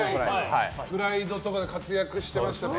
「プライド」とかで活躍してましたね。